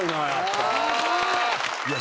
いや。